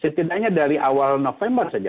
setidaknya dari awal november saja